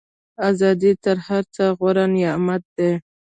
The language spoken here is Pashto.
ازادي تر هر څه غوره نعمت دی.